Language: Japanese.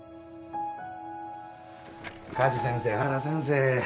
加地先生原先生。